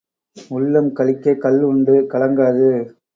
உள்ளம் களிக்கக் கள் உண்டு கலங்காது.